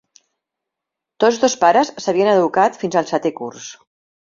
Tots dos pares s'havien educat fins el setè curs.